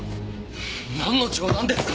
なんの冗談ですか。